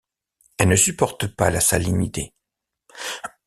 Elle ne supporte pas la salinité.